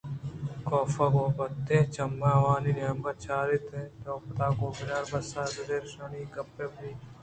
کاف ءَ گوں بدیں چمّے ءَ آوانی نیمگ ءَ چاراِت اَنتءُپدا گوں بناربس ءَ زہرشانیءَ گپّے بنا کُت